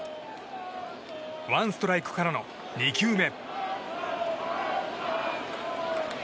ワンストライクからの２球目。